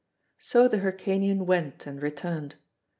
So the Hyrcanian went and returned.